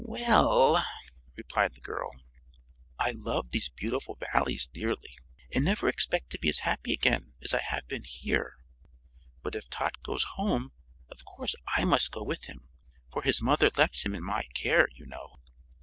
"Well," replied the girl, "I love these beautiful Valleys dearly, and never expect to be as happy again as I have been here. But if Tot goes home of course I must go with him, for his mother left him in my care, you know."